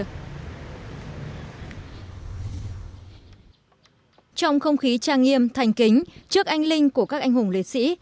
trong không khí trang nghiêm thành kính trước anh linh của các anh hùng liệt sĩ